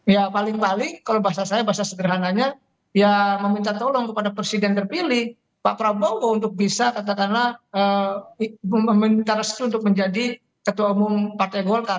ya paling paling kalau bahasa saya bahasa sederhananya ya meminta tolong kepada presiden terpilih pak prabowo untuk bisa katakanlah meminta restu untuk menjadi ketua umum partai golkar